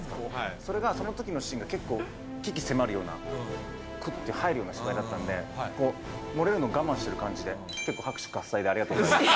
それがそのときのシーンが結構、鬼気迫るような、くって入るような芝居だったんで、こう、漏れるの我慢してる感じで、結構、拍手喝采でありがとうございました。